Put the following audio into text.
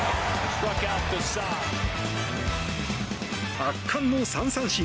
圧巻の３三振。